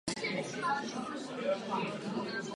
Komisařka Malmströmová zmiňovala důvěru.